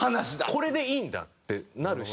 これでいいんだってなるし。